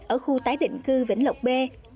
ở khu tái định cư vĩnh lộc b